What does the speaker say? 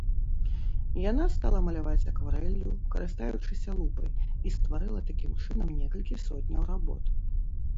Яна стала маляваць акварэллю, карыстаючыся лупай, і стварыла такім чынам некалькі сотняў работ.